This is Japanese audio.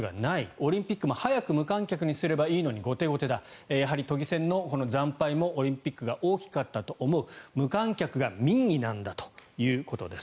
オリンピックも早く無観客にすればいいのに後手後手だやはり都議選の惨敗もオリンピックが大きかったと思う無観客が民意なんだということです。